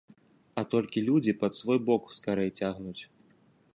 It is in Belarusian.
А толькі людзі пад свой бок скарэй цягнуць.